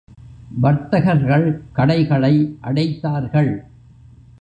வர்த்தகர்கள் கடைகளை அடைத்தார்கள்.